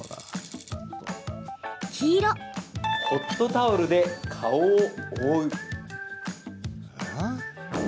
ホットタオルで顔を覆う。